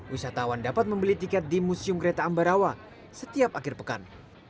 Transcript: wisatawan dapat membeli tiket di museum kereta ambarawa setiap akhir pekan